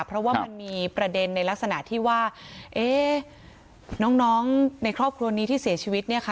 เพราะว่ามันมีประเด็นในลักษณะที่ว่าน้องในครอบครัวนี้ที่เสียชีวิตเนี่ยค่ะ